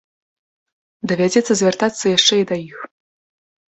Давядзецца звяртацца яшчэ і да іх.